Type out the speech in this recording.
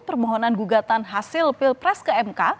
permohonan gugatan hasil pilpres ke mk